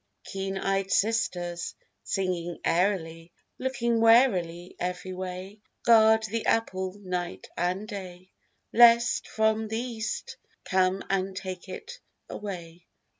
Keen eyed Sisters, singing airily, Looking warily Every way, Guard the apple night and day, Lest one from the East come and take it away.